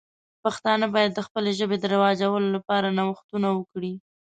پښتانه باید د خپلې ژبې د رواجولو لپاره نوښتونه وکړي.